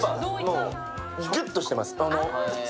ギュッとしてます。